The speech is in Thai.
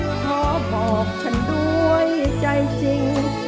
ขอบอกฉันด้วยใจจริง